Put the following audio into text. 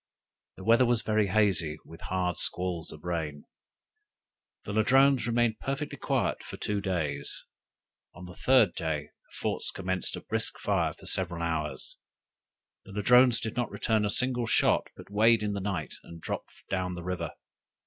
The weather was very hazy, with hard squalls of rain. The Ladrones remained perfectly quiet for two days. On the third day the forts commenced a brisk fire for several hours: the Ladrones did not return a single shot, but weighed in the night and dropped down the river.